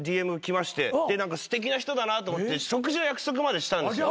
すてきな人だなと思って食事の約束までしたんです。